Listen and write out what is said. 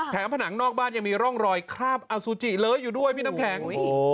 ผนังนอกบ้านยังมีร่องรอยคราบอสุจิเล้ยอยู่ด้วยพี่น้ำแข็ง